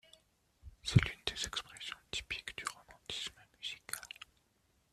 C'est l'une des expressions typiques du romantisme musical.